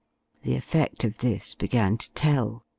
The effect of this began to tell.